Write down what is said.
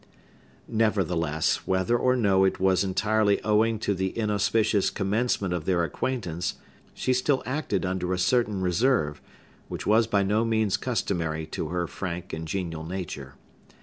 Nevertheless, whether or no it were entirely owing to the inauspicious commencement of their acquaintance, she still acted under a certain reserve, which was by no means customary to her frank and genial nature.